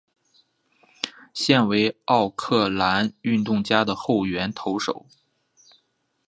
现为奥克兰运动家的后援投手。